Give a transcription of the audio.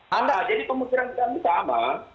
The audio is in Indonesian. jadi pemukiran kami sama